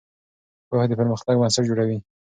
پوهه د پرمختګ بنسټ جوړوي.